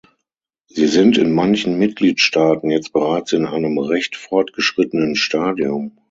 Sie sind in manchen Mitgliedstaaten jetzt bereits in einem recht fortgeschrittenen Stadium.